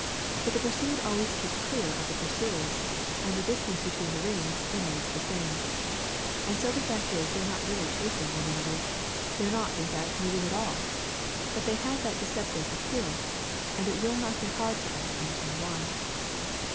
But the pur sued always keep clear of the pursuers, and the dis tance between the rings remains the same. And so the fact is they are not really chasing one another; 368 THE SECRET OF EVERYDAY THINGS they are not, in fact, moving at all ; but they have that deceptive appearance, and it will not be hard for ns to understand why.